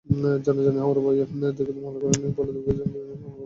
জানাজানি হওয়ার ভয়ে দীর্ঘদিন মামলা করেননি বলে দাবি করেছেন মামলার বাদী।